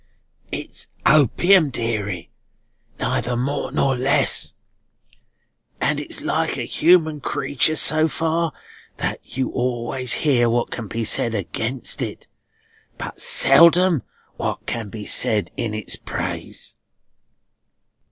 "It's opium, deary. Neither more nor less. And it's like a human creetur so far, that you always hear what can be said against it, but seldom what can be said in its praise."